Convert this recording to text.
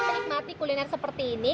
hmm seru nih menikmati kuliner seperti ini